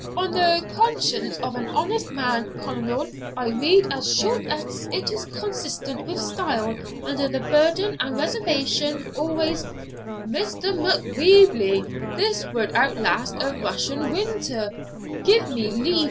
'On the conscience of an honest man, Colonel, I read as short as is consistent with style under the burden and reservation always ' 'Mr. Macwheeble, this would outlast a Russian winter; give me leave.